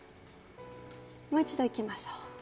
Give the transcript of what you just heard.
もう一度いきましょう。